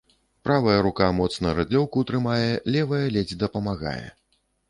Правая рука моцна рыдлёўку трымае, левая ледзь дапамагае.